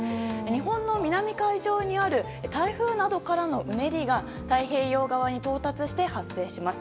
日本の南海上にある台風などからのうねりが太平洋側に到達して発生します。